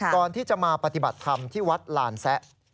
ก่อนที่จะมาปฏิบัติธรรมที่วัดลานแซะ